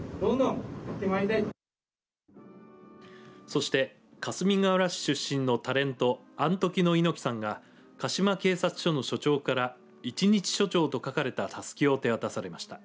そしてかすみがうら市出身のタレントアントキの猪木さんが鹿嶋警察署の署長から１日署長と書かれたたすきを手渡されました。